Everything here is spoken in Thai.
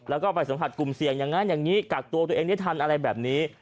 แล้วก็ไปสัมผัสกลุ่มเสี่ยงอย่างนั้นอย่างนี้กักตัวตัวเองได้ทันอะไรแบบนี้